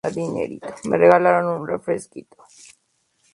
Era un ave no voladora con un esternón sin quilla.